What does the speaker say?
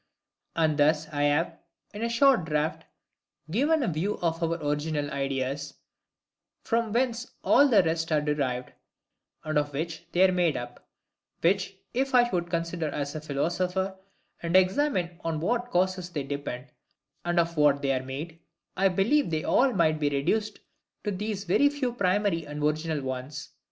And thus I have, in a short draught, given a view of OUR ORIGINAL IDEAS, from whence all the rest are derived, and of which they are made up; which, if I would consider as a philosopher, and examine on what causes they depend, and of what they are made, I believe they all might be reduced to these very few primary and original ones, viz.